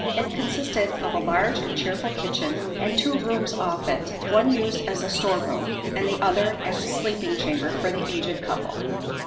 It consisted of a large and cheerful kitchen and two rooms off it, one used as a store room and the other as a sleeping chamber for the aged couple.